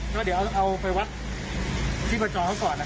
ก็เดี๋ยวเอาไปวัดชิมประจองกันก่อนนะค่ะ